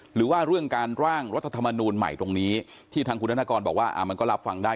หรือว่าเรื่องการร่างรัฐธรรมนูลใหม่ตรงนี้ที่ทางคุณธนกรบอกว่ามันก็รับฟังได้